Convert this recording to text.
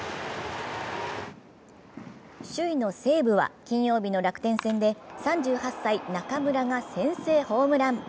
首位の西武は金曜日の楽天戦で３８歳中村が先制ホームラン。